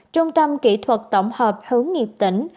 trung tâm kỹ thuật tổng hợp hướng nghiệp tỉnh